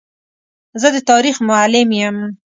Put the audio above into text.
زه د تاریخ معلم یم.